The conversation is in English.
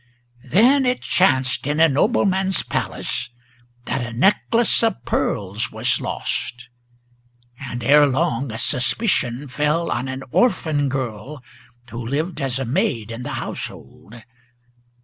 Then it chanced in a nobleman's palace That a necklace of pearls was lost, and erelong a suspicion Fell on an orphan girl who lived as maid in the household.